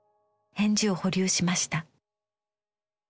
返事を保留しました。